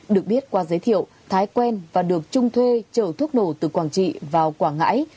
được biết qua giới thiệu thái quen và được trung thuê chở thuốc nổ từ quảng trị vào quảng ngãi